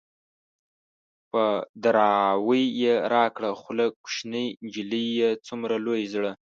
په دراوۍ يې راکړه خوله - کوشنی نجلۍ څومره لوی زړه